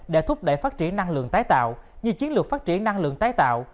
để thúc đẩy phát triển năng lượng tái tạo như chiến lược phát triển năng lượng tái tạo